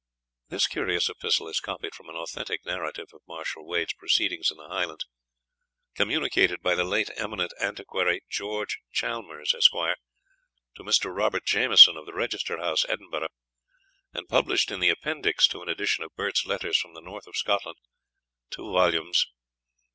This curious epistle is copied from an authentic narrative of Marshal Wade's proceedings in the Highlands, communicated by the late eminent antiquary, George Chalmers, Esq., to Mr. Robert Jamieson, of the Register House, Edinburgh, and published in the Appendix to an Edition of Burt's Letters from the North of Scotland, 2 vols.